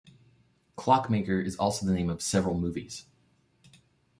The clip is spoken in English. "Clockmaker" is also the name of several movies.